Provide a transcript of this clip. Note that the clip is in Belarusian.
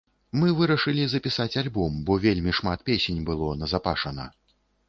Мы вырашылі запісаць альбом, бо вельмі шмат песень было назапашана.